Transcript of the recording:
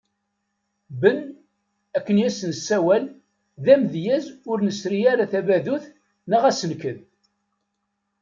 Ben, akken i as-nessawal, d amedyaz ur nesri ara tabadut neɣ asenked.